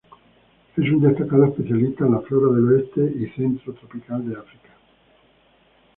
Es un destacado especialista en la flora del oeste y centro tropical de África.